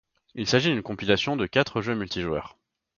Il s'agit d'une compilation de quatre jeux multijoueurs.